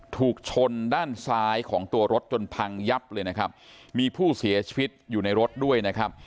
ถูกชนด้านซ้ายของตัวรถจนพังยับเลยนะครับมีผู้เสียชีวิตอยู่ในรถด้วยนะครับ